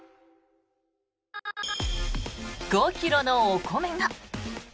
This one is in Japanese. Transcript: ５ｋｇのお米が。